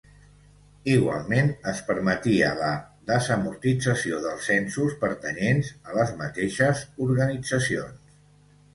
Igualment, es permetia la desamortització dels censos pertanyents a les mateixes organitzacions.